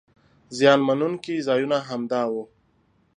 زیان مننونکي ځایونه همدا وو.